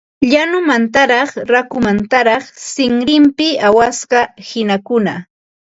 Llañumantaraq rakukamantaraq sinrinpi awasqa qinakuna